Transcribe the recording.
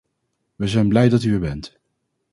We zijn blij dat u er bent.